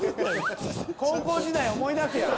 高校時代思い出すやろ。